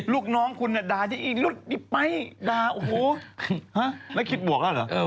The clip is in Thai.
ลูกน้องคุณนะด่ายังทันอีสหรอ